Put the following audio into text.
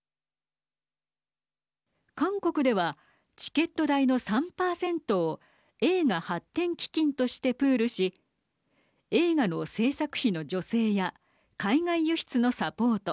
韓国ではチケット代の３％を映画発展基金としてプールし映画の製作費の助成や海外輸出のサポート。